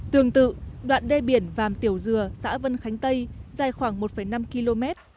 tương tự đoạn đê biển vàm tiểu dừa xã vân khánh tây dài khoảng một năm km